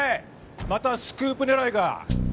またスクープ狙いか？